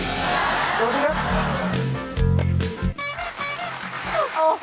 สติครับ